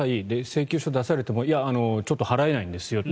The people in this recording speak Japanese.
請求書出されてもちょっと払えないんですよと。